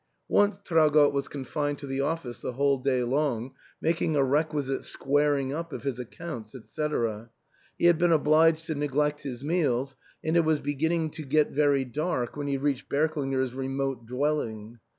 Once Traugott was confined to the office the Whole day long, making a requisite squaring up of his accounts, &c. ; he had been obliged to neglect his meals, and it was beginning to get very dark when he reached Berklinger's remote dwelling.